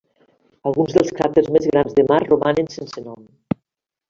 Alguns dels cràters més grans de Mart romanen sense nom.